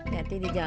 ganti di jalan